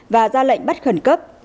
và ra lệnh bắt khẩn cấp